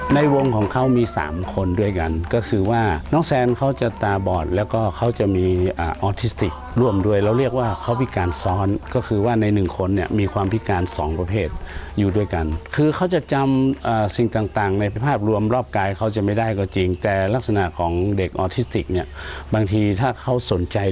ในวงของเขามีสามคนด้วยกันก็คือว่าน้องแซนเขาจะตาบอดแล้วก็เขาจะมีออทิสติกร่วมด้วยเราเรียกว่าเขาพิการซ้อนก็คือว่าในหนึ่งคนเนี่ยมีความพิการสองประเภทอยู่ด้วยกันคือเขาจะจำสิ่งต่างในภาพรวมรอบกายเขาจะไม่ได้ก็จริงแต่ลักษณะของเด็กออทิสติกเนี่ยบางทีถ้าเขาสนใจ